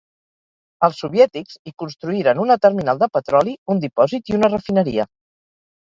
Els soviètics hi construïren una terminal de petroli, un dipòsit i una refineria.